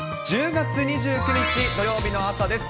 １０月２９日土曜日の朝です。